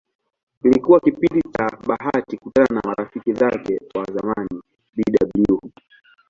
Kilikuwa kipindi chake cha bahati kukutana na marafiki zake wa zamani Bw.